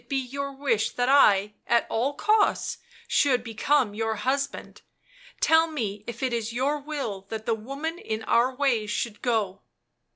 e your wish that I, at all costs, should become your husband, tell me if it is your will that the woman in our way should go